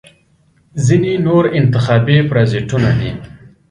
ځینې نور انتخابي پرازیتونه دي.